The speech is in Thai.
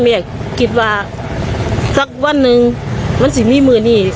แม่คิดว่าสักวันหนึ่งมันจะมีมือนี่